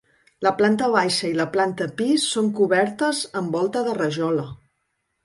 La planta baixa i la planta pis són cobertes amb volta de rajola.